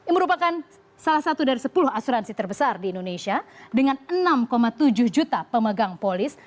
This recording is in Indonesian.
merupakan salah satu dari sepuluh asuransi terbesar di indonesia dengan enam tujuh juta pemegang polis